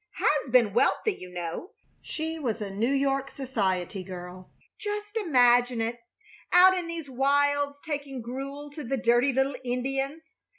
Has been wealthy, you know. She was a New York society girl. Just imagine it; out in these wilds taking gruel to the dirty little Indians!